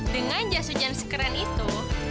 dengan jas hujan sekeren itu